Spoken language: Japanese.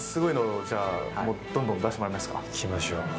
いきましょう。